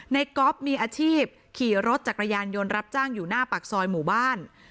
ก๊อฟมีอาชีพขี่รถจักรยานยนต์รับจ้างอยู่หน้าปากซอยหมู่บ้าน